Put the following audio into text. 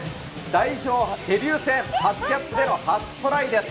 代表デビュー戦、初キャップでの初トライです。